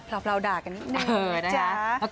เราด่ากันนิดนึง